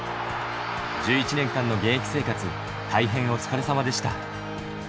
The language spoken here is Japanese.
１１年間の現役生活、大変お疲れさまでした。